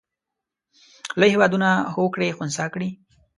لوی هېوادونه هوکړې خنثی کړي.